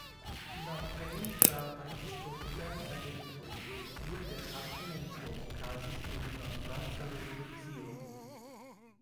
La plej gravaj historiaj eventoj de tiu departemento okazis dum la franca Revolucio.